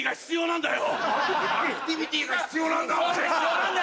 アクティビティが必要なんだ。